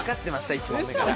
１問目から。